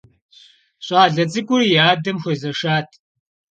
Щӏалэ цӏыкӏур и адэм хуезэшат.